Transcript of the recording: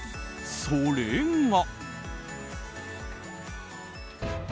それが。